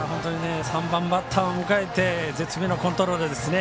３番バッターを迎えて絶妙なコントロールですね。